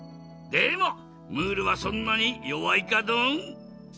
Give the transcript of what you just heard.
でもムールはそんなによわいかドン？